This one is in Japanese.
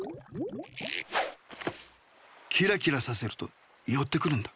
キラキラさせるとよってくるんだ。